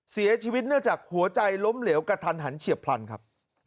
เสียชีวิตเนื่องจากหัวใจล้มเหลวกระทันหันเฉียบพลันครับ